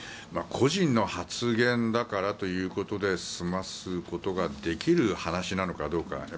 個人の発言だからということで済ますことができる話なのかどうか。